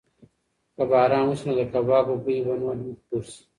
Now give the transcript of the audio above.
که باران وشي نو د کبابو بوی به نور هم خپور شي.